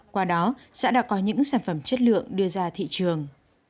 qua đó xã đã có những sản phẩm chất lượng đưa ra thị trường